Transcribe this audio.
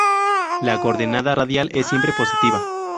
La coordenada radial es siempre positiva.